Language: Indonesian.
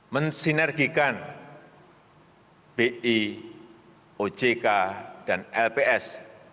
mensinergikan bi ojk dan lps